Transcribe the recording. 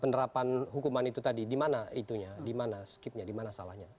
penerapan hukuman itu tadi dimana itunya dimana skipnya dimana salahnya